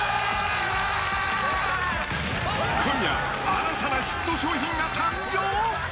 今夜、新たなヒット商品が誕生？